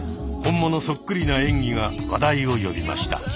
本物そっくりな演技が話題を呼びました。